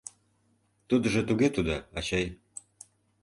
— Тудыжо туге тудо, ачай.